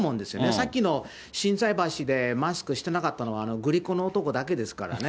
さっきの心斎橋でマスクしてなかったのは、グリコの男だけですからね。